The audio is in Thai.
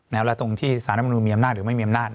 แล้วตรงที่สารรัฐมนุนมีอำนาจหรือไม่มีอำนาจ